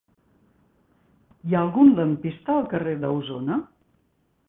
Hi ha algun lampista al carrer d'Ausona?